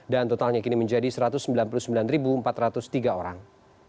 dan totalnya kini menjadi satu ratus sembilan puluh sembilan empat ratus tiga orang